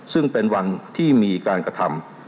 ซึ่งเป็นวันที่มีการกระทำ